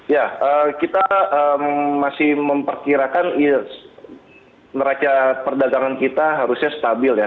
ya kita masih memperkirakan neraca perdagangan kita harusnya stabil ya